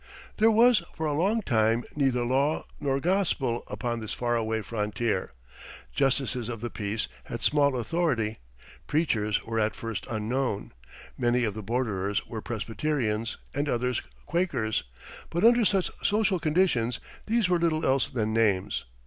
There was, for a long time, "neither law nor gospel" upon this far away frontier. Justices of the peace had small authority. Preachers were at first unknown. Many of the borderers were Presbyterians, and others Quakers; but under such social conditions these were little else than names.